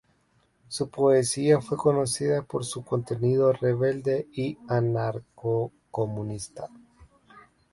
Su poesía fue conocida por su contenido rebelde y anarco-comunista.